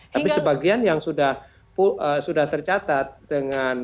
tapi sebagian yang sudah tercatat dengan